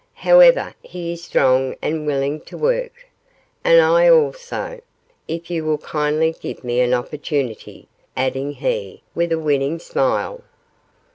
However, he is strong and willing to work; and I also, if you will kindly give me an opportunity,' added he, with a winning smile.